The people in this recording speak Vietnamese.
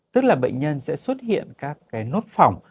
tức là bệnh nhân sẽ xuất hiện các nốt phỏng